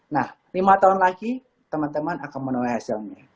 nah lima tahun lagi teman teman akan menuai hasilnya